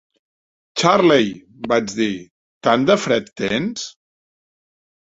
"Charley", vaig dir, "tan de fred tens?"